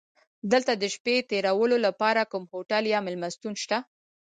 دلته د شپې تېرولو لپاره کوم هوټل یا میلمستون شته؟